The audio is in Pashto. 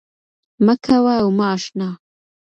مـــــه كـــــوه او مـــه اشـــنـــا